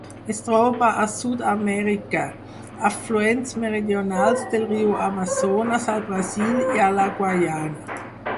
Es troba a Sud-amèrica: afluents meridionals del riu Amazones al Brasil i a la Guaiana.